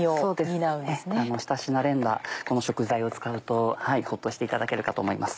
慣れ親しんだこの食材を使うとホッとしていただけるかと思います。